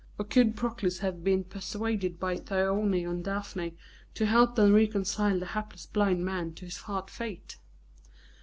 Or could Proclus have been persuaded by Thyone and Daphne to help them reconcile the hapless blind man to his hard fate?